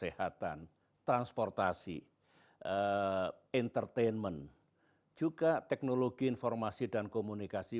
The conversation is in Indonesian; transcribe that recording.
kesehatan transportasi entertainment juga teknologi informasi dan komunikasi